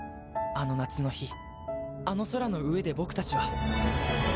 あの夏の日あの空の上で僕たちは。